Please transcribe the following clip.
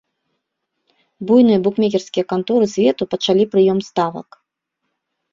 Буйныя букмекерскія канторы свету пачалі прыём ставак.